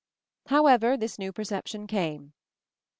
However, this new perception came."